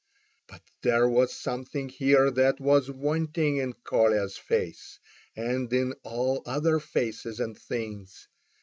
But there was something here that was wanting in Kolya's face, and in all other faces and things.